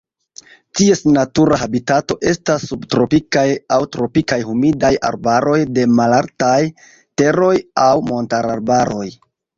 Ties natura habitato estas subtropikaj aŭ tropikaj humidaj arbaroj de malaltaj teroj aŭ montararbaroj.